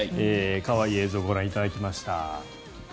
可愛らしい映像をご覧いただきました。